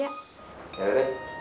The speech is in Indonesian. ya udah deh